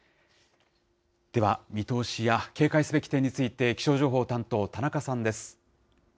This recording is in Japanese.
では、見通しや警戒すべき点について、気象情報担当、田中さんです。